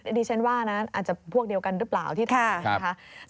ดิฉันว่านะอาจจะพวกเดียวกันหรือเปล่าที่ฆ่านะคะ